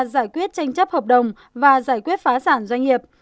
giải quyết tranh chấp hợp đồng và giải quyết phá sản doanh nghiệp